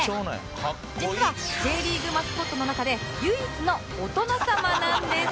実は Ｊ リーグマスコットの中で唯一のお殿様なんです